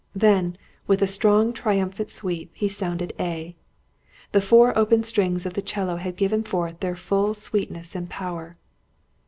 Then, with a strong triumphant sweep, he sounded A. The four open strings of the 'cello had given forth their full sweetness and power.